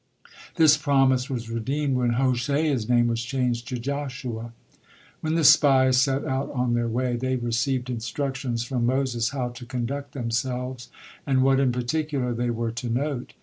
This promise was redeemed when Hoshea's name was changed to Joshua. When the spies set out on their way, they received instructions from Moses how to conduct themselves, and what in particular, they were to note.